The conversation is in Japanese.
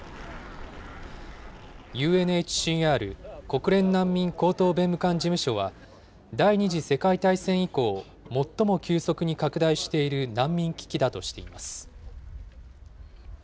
ＵＮＨＣＲ・国連難民高等弁務官事務所は、第２次世界大戦以降、最も急速に拡大している難民危機だとしています。